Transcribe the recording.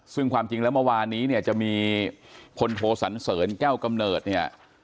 ซึ่งความจริงแล้วเมื่อวานนี้เนี่ยจะมีพลโทสันเสริญแก้วกำเนิดเนี่ย